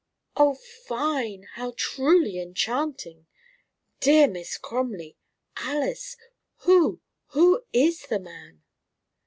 "Oh, fine!" "How truly enchanting!" "Dear Miss Crumley Alys who, who is the man?"